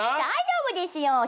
大丈夫ですよ。